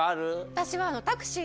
私は。